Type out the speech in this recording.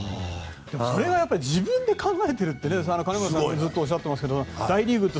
それが自分が考えてるって金村さん、ずっとおっしゃってますけど大リーグって